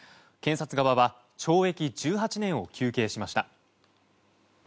検察側は懲役１８年を求刑しました。